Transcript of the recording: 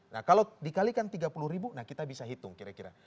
nah kalau dikalikan tiga puluh ribu nah kita bisa hitung kira kira